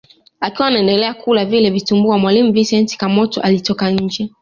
Akiwa anaendelea kula vile vitumbua mwalimu Vincent Kamoto alitoka nje